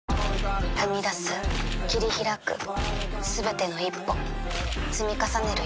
踏み出す切り開く全ての１歩積み重ねる１本